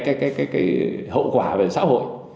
cái hậu quả về xã hội